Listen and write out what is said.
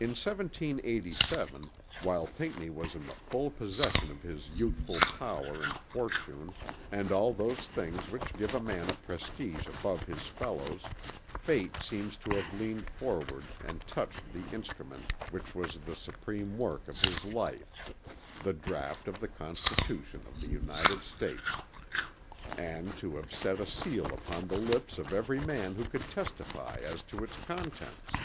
In 1787 while Pinckney was in the full possession of his youthful power and fortune and all those things which give a man a prestige above his fellows, fate seems to have leaned forward and touched the instrument which was the supreme work of his life, the Draught of the Constitution of the United States and to have set a seal upon the lips of every man who could testify as to its contents.